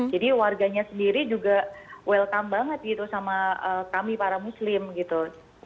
jadi warganya sendiri juga welcome banget gitu sama kami para muslim gitu